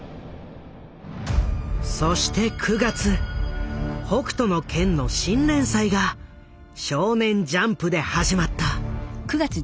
そして９月「北斗の拳」の新連載が少年ジャンプで始まった。